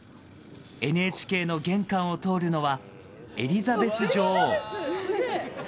ＮＨＫの玄関を通るのはエリザベス女王。